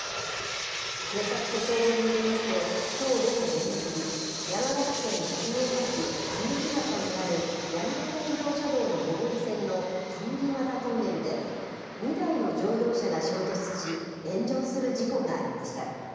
警察と消防によりますと、きょう午後２時過ぎ、山形県鶴岡市田麦俣にある、山形自動車道の上り線の田麦俣トンネルで、２台の乗用車が衝突し、炎上する事故がありました。